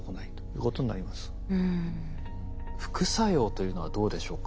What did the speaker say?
副作用というのはどうでしょうか？